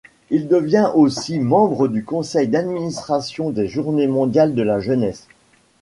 Il devient aussi membre du conseil d'administration des Journées Mondiales de la Jeunesse.